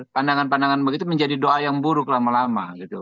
pandangan pandangan begitu menjadi doa yang buruk lama lama